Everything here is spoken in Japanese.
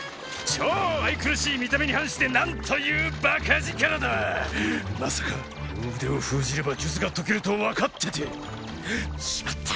超愛くるしい見た目に反して何という馬鹿力だまさか両腕を封じれば術が解けると分かっててしまった！